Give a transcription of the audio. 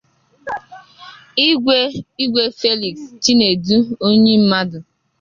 Igwe Igwe Felix Chinedu Onyimmadu